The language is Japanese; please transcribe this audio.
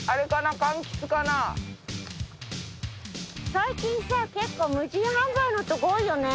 最近さ結構無人販売のとこ多いよね。